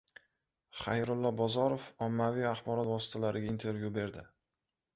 Xayrullo Bozorov ommaviy axborot vositalariga intervyu berdi